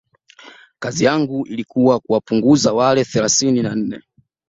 kazi yangu ilikuwa ni kuwapunguza wale thelathini na nane